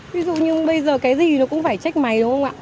ví dụ như bây giờ cái gì nó cũng phải trách máy đúng không ạ